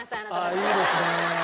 ああいいですね。